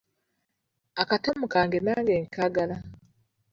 Akatamu kange nange nkaagala.